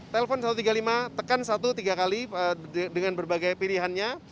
telepon satu ratus tiga puluh lima tekan satu tiga kali dengan berbagai pilihannya